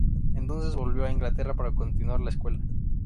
Entonces volvió a Inglaterra para continuar la escuela.